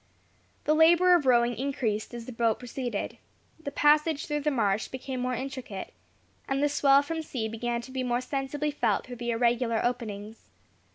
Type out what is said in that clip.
The labour of rowing increased as the boat proceeded. The passage through the marsh became more intricate, and the swell from sea began to be more sensibly felt through the irregular openings.